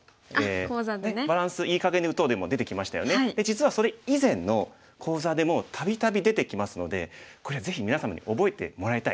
実はそれ以前の講座でもたびたび出てきますのでこれぜひ皆様に覚えてもらいたい。